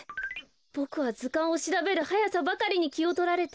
ボクはずかんをしらべるはやさばかりにきをとられて。